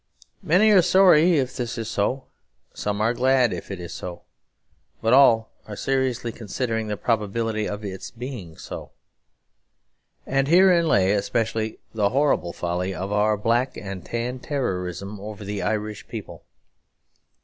Many are sorry if this is so; some are glad if it is so; but all are seriously considering the probability of its being so. And herein lay especially the horrible folly of our Black and Tan terrorism over the Irish people.